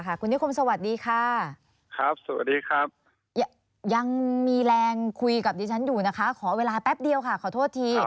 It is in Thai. คุณนิคมสวัสดีค่ะครับสวัสดีครับยังมีแรงคุยกับดิฉันอยู่นะคะขอเวลาแป๊บเดียวค่ะขอโทษที